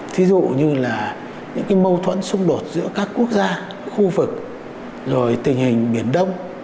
thí dụ như là những cái mâu thuẫn xung đột giữa các quốc gia khu vực rồi tình hình biển đông